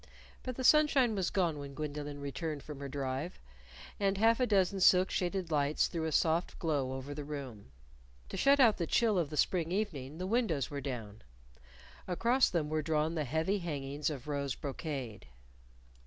But the sunshine was gone when Gwendolyn returned from her drive, and a half dozen silk shaded lights threw a soft glow over the room. To shut out the chill of the spring evening the windows were down. Across them were drawn the heavy hangings of rose brocade.